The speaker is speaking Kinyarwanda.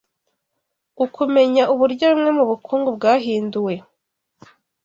ukumenya uburyo bumwe mubukungu bwahinduwe